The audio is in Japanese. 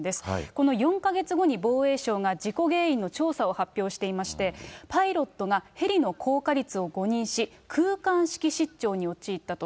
この４か月後に防衛省が事故原因の調査を発表していまして、パイロットがヘリの降下率を誤認し、空間識失調に陥ったと。